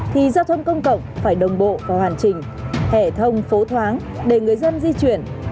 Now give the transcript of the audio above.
thì giao thông công cộng phải đồng bộ và hoàn chỉnh thể thông phố thoáng để người dân di chuyển